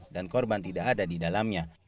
dan korban tidak ada di dalamnya